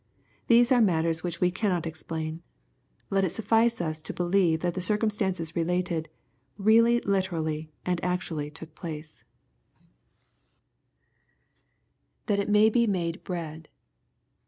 These are matters which we cannot explain. Let it suffice us to b^eve that ib« oircmnstances related, really literally, and actually took plaoe» LtTKE, CHAP IT. 113 {l%a!l it may he made bread.